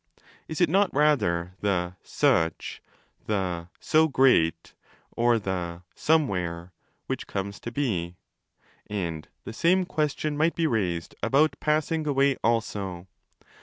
Is it not rather the 'such', the 'so great', or the 'somewhere', which comes to be? And the same question might be raised about ' passing away' also.